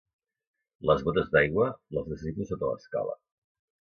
Les botes d'aigua, les necessito sota l'escala.